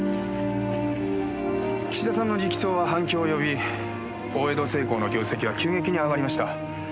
岸田さんの力走は反響を呼び大江戸製鋼の業績は急激に上がりました。